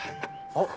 あっ。